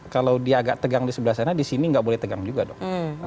kalau dia agak tegang di sebelah sana di sini nggak boleh tegang juga dong